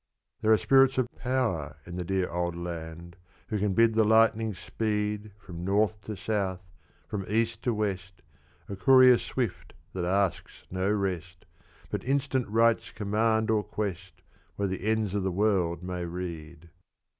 There are spirits of power in the "Dear Old Land," Who can bid the lightning speed From North to South, from East to West, A courier swift that asks no rest, But instant writes command or quest Where the "ends of the world" may read.